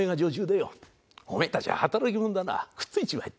「おめえたちは働きもんだなくっついちまえ」って。